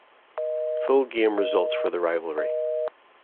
Full game results for the rivalry.